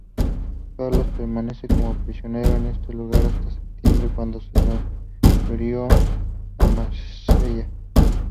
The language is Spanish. Carlos permanece como prisionero en este lugar hasta septiembre cuando es transferido a Marsella.